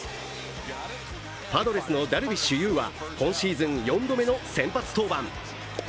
パドレスのダルビッシュ有は今シーズン４度目の先発登板。